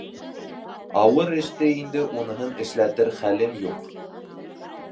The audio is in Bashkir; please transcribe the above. Ауыр эште инде уныһын эшләтер хәлем юҡ.